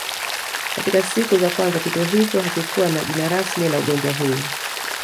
Katika siku za kwanza kituo hicho hakikuwa na jina rasmi la ugonjwa huu